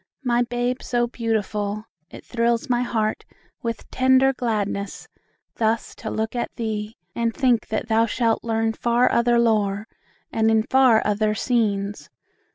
My babe so beautiful! it thrills my heart With tender gladness, thus to look at thee, And think that thou shalt learn far other lore, And in far other scenes!